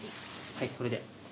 はいこれで。